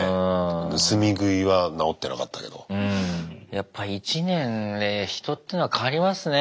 やっぱ１年で人っていうのは変わりますね